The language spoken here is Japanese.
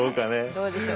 どうでしょう。